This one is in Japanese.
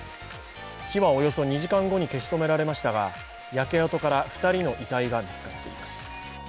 火はおよそ２時間後に消し止められましたが、焼け跡から２人の遺体が見つかっています。